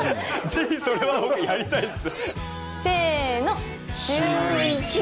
ぜひそれは僕やりたいです。